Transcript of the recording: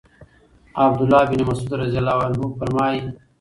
عَبْد الله بن مسعود رضی الله عنه فرمايي: